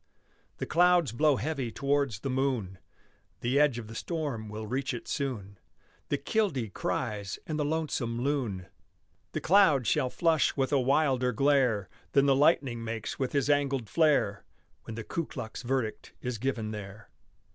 The clouds blow heavy towards the moon. The edge of the storm will reach it soon. The killdee cries and the lonesome loon. The clouds shall flush with a wilder glare Than the lightning makes with his angled flare, When the Ku Klux verdict is given there.